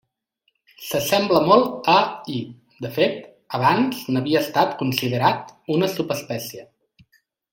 S'assembla molt a i, de fet, abans n'havia estat considerat una subespècie.